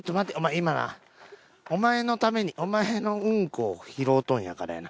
今なお前のためにお前のうんこを拾うとるんやからな。